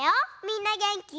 みんなげんき？